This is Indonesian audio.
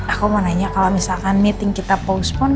aku mau nanya kalau misalkan meeting kita postpone